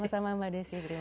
sama sama mbak desi